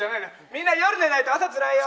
みんな夜寝ないと朝つらいよ。